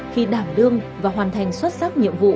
khi đảm đương và hoàn thành xuất sắc nhiệm vụ